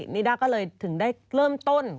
นิด้าก็เลยถึงได้เริ่มต้น